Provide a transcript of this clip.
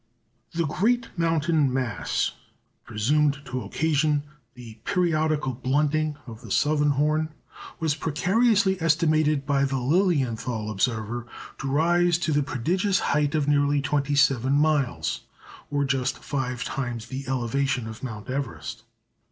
The great mountain mass, presumed to occasion the periodical blunting of the southern horn, was precariously estimated by the Lilienthal observer to rise to the prodigious height of nearly twenty seven miles, or just five times the elevation of Mount Everest!